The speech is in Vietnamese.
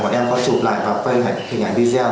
mọi em có chụp lại và phây hình ảnh video